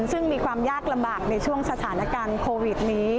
ซึ่งมีความยากลำบากในช่วงสถานการณ์โควิดนี้